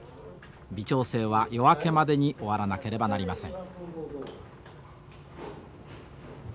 微調整は夜明けまでに終わらなければなりません。